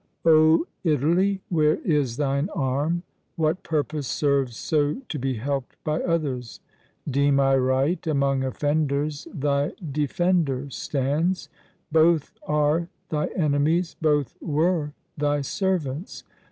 Oh, Italy! where is thine arm? What purpose serves So to be helped by others? Deem I right, Among offenders thy defender stands? Both are thy enemies both were thy servants!